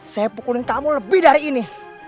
saya pukulin tamu lebih dari ini